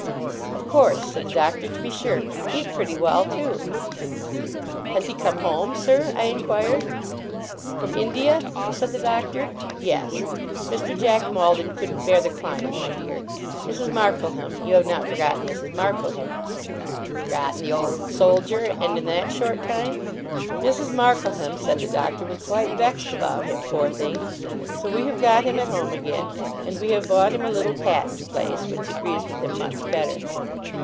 'Of course,' said the Doctor. 'To be sure. He's pretty well, too.' 'Has he come home, sir?' I inquired. 'From India?' said the Doctor. 'Yes. Mr. Jack Maldon couldn't bear the climate, my dear. Mrs. Markleham you have not forgotten Mrs. Markleham?' Forgotten the Old Soldier! And in that short time! 'Mrs. Markleham,' said the Doctor, 'was quite vexed about him, poor thing; so we have got him at home again; and we have bought him a little Patent place, which agrees with him much better.